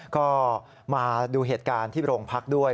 ก็มาดูเหตุการณ์ที่โรงพักด้วย